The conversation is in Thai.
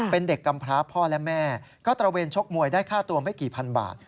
เป็นเด็กกำพร้าพ่อและแม่ก็ตระเวนชกมวยได้ค่าตัวไม่กี่พันบาท